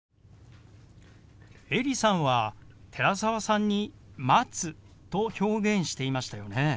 エリさんは寺澤さんに「待つ」と表現していましたよね。